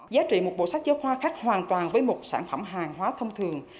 giá trị một bộ sách giáo khoa khác hoàn toàn với một sản phẩm hàng hóa thông thường